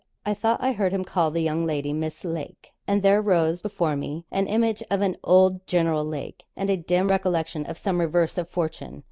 I thought I heard him call the young lady Miss Lake, and there rose before me an image of an old General Lake, and a dim recollection of some reverse of fortune.